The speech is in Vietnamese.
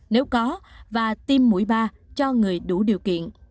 nếu có và tiêm mũi ba cho người đủ điều kiện